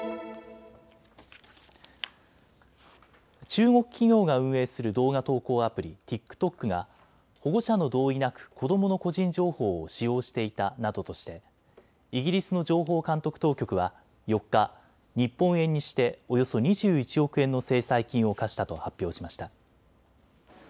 中国企業が運営する動画投稿アプリ、ＴｉｋＴｏｋが保護者の同意なく子どもの個人情報を使用していたなどとしてイギリスの情報監督当局は４日、日本円にしておよそ２１億円の制裁金を科したと発表しました。